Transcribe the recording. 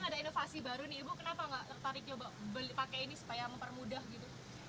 nah ini ada inovasi baru nih ibu kenapa enggak tertariknya pakai ini supaya mempermudah gitu